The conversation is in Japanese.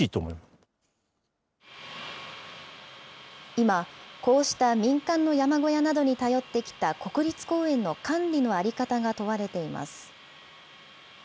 今、こうした民間の山小屋などに頼ってきた国立公園の管理の在り方が問われています。